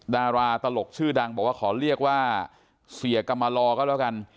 ดาราตลกชื่อดังบอกว่าขอเรียกว่าเสียกรรมลอก็แล้วกัน